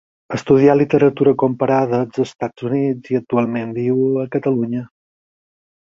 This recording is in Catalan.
Estudià literatura comparada als Estats Units i actualment viu a Catalunya.